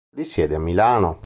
Risiede a Milano.